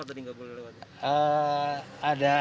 mau ke banjarasari pak